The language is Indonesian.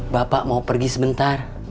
bapak mau pergi sebentar